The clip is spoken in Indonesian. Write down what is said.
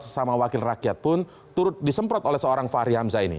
sesama wakil rakyat pun turut disemprot oleh seorang fahri hamzah ini